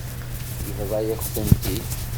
Yebḍa-yak-tent-id.